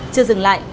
chưa dừng lại